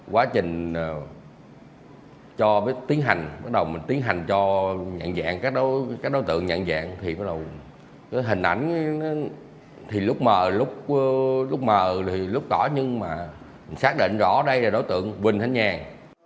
quá trình cho tiến hành bắt đầu tiến hành cho nhận dạng các đối tượng nhận dạng thì bắt đầu hình ảnh thì lúc mờ thì lúc tỏa nhưng mà xác định rõ đây là đối tượng quỳnh thánh nhan